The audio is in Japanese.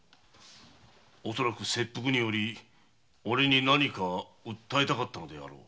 恐らく切腹によりおれに何か訴えたかったのであろう。